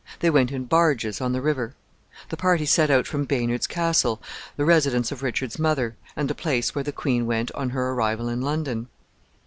They went in barges on the river. The party set out from Baynard's Castle, the residence of Richard's mother, and the place where the queen went on her arrival in London.